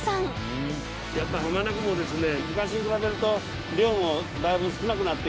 やっぱ浜名湖もですね